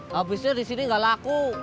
habisnya di sini nggak laku